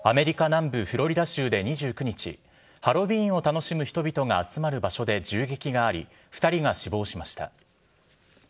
アメリカ南部フロリダ州で２９日、ハロウィーンを楽しむ人々が集まる場所で銃撃があり、２人が死亡しました。